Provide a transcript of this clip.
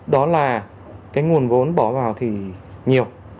đó là nguồn vốn bỏ vào thì nhiều